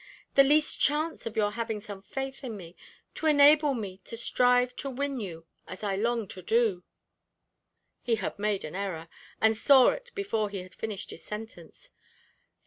the least chance of your having some faith in me, to enable me to strive to win you as I long to do?" He had made an error, and saw it before he had finished his sentence.